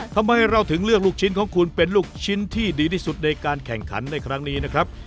ทำไมเราถึงเลือกลูกชิ้นของคุณเป็นลูกชิ้นที่ดีที่สุดในการแข่งขันในครั้งนี้นะครับ